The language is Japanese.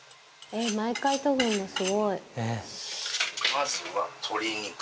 まずは、鶏肉。